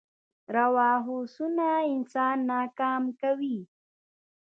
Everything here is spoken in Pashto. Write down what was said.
روا هوسونه انسان نه ناکام کوي.